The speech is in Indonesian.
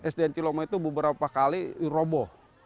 sdn ciloma itu beberapa kali roboh